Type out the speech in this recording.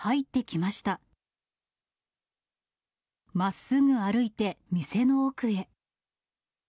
まっすぐ歩いて店の奥へ。